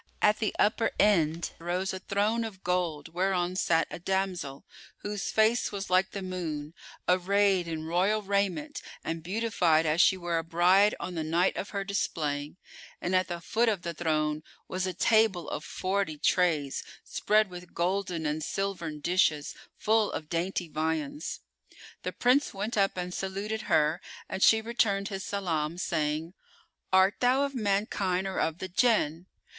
At the upper end rose a throne of gold whereon sat a damsel, whose face was like the moon, arrayed in royal raiment and beautified as she were a bride on the night of her displaying; and at the foot of the throne was a table of forty trays spread with golden and silvern dishes full of dainty viands. The Prince went up and saluted her, and she returned his salam, saying, "Art thou of mankind or of the Jinn?"